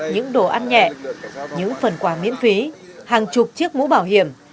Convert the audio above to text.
những đồ ăn nhẹ những phần quà miễn phí hàng chục chiếc mũ bảo hiểm